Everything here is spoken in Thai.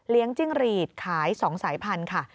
จิ้งหรีดขาย๒สายพันธุ์ค่ะ